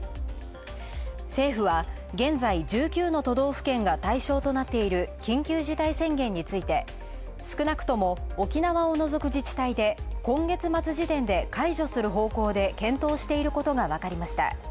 政府は、現在、１９の都道府県が対象となっている緊急事態宣言について、少なくとも沖縄を除く自治体で今月末時点で解除する方向で検討していることがわかりました。